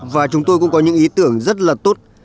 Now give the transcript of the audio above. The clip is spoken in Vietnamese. và chúng tôi cũng có những ý tưởng rất là tốt